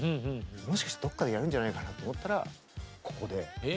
もしかしてどっかでやるんじゃないかなと思ったらここで。